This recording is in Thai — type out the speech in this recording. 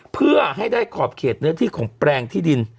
เพื่อให้ได้ขอบเขตเนื้อที่ของแปลงที่ดิน